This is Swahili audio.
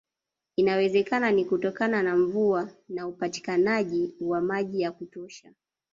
Inawezekana ni kutokana na mvua na upatikanaji wa maji ya kutosha